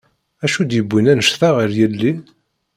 Acu d-yiwin anect-a ɣer yelli?